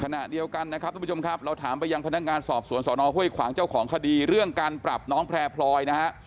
ขณะเดียวกันนะครับทุกผู้ชมครับเราถามไปยังพนักงานสอบสวนสอนอห้วยขวางเจ้าของคดีเรื่องการปรับน้องแพร่พลอยนะฮะ